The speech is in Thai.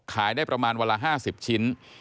ขายได้ประมาณ๕๐ชิ้น